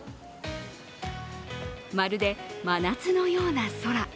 まるで真夏のような空。